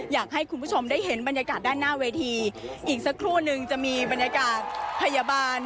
อยากให้คุณผู้ชมได้เห็นบรรยากาศด้านหน้าเวทีอีกสักครู่นึงจะมีบรรยากาศพยาบาล